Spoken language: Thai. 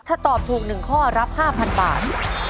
ถ้าตอบถูก๑ข้อรับ๕๐๐บาท